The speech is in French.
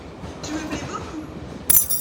Tu me plais beaucoup !…